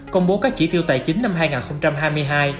công bố các chỉ tiêu tài chính năm hai nghìn hai mươi hai